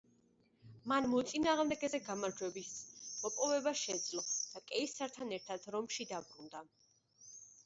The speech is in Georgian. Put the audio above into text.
მან მოწინააღმდეგეზე გამარჯვების მოპოვება შეძლო და კეისართან ერთად რომში დაბრუნდა.